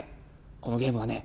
このゲームはね